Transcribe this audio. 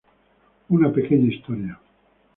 Una pequeña historia.